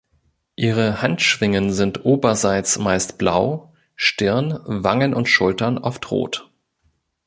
Ihre Handschwingen sind oberseits meist blau, Stirn, Wangen und Schultern oft rot.